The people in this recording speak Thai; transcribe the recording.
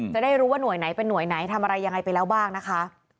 จะได้รู้ว่าหน่วยไหนเป็นห่วยไหนทำอะไรยังไงไปแล้วบ้างนะคะ